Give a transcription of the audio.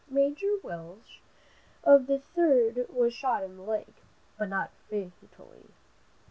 Major Welch of the Third was shot in the leg, but not fatally.